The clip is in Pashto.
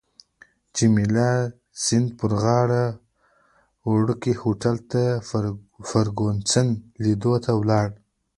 جميله د سیند پر غاړه وړوکي هوټل ته فرګوسن لیدو ته ولاړه.